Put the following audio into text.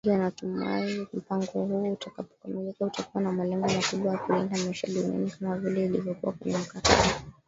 Wengi wanatumai mpango huo utakapokamilika, utakuwa na malengo makubwa ya kulinda maisha duniani kama vile ilivyo kwenye mkataba.